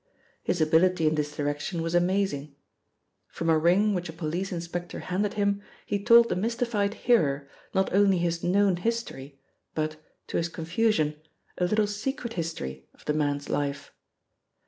His ability in this direction was amazing. From a ring which a police inspector handed him he told the mystified hearer not only his known history but, to his confusion, a little secret history of the man's life.